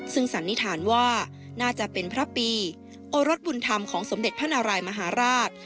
ซึ่งสันนิษฐานว่าน่าจะเป็นพระปีโอรสบุญธรรมของสมเด็จพระนารายมหาราช